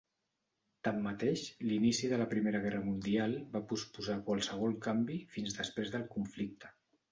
Tanmateix, l'inici de la Primera Guerra Mundial va posposar qualsevol canvi fins després del conflicte.